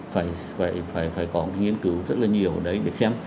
phải có nghiên cứu rất là nhiều ở đấy để xem